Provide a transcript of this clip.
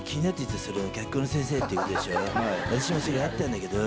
私もそれあったんだけど。